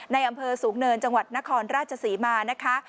ในอำเภอสูงเนินจังหวัดนครราชศรีมานะคะ